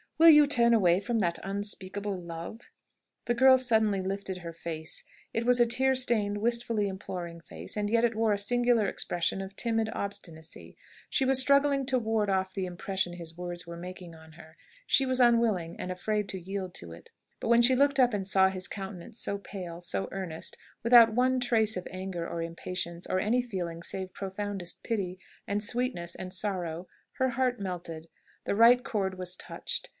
Will you turn away from that unspeakable love?" The girl suddenly lifted her face. It was a tear stained, wistfully imploring face, and yet it wore a singular expression of timid obstinacy. She was struggling to ward off the impression his words were making on her. She was unwilling, and afraid to yield to it. But when she looked up and saw his countenance so pale, so earnest, without one trace of anger or impatience, or any feeling save profoundest pity, and sweetness, and sorrow, her heart melted. The right chord was touched.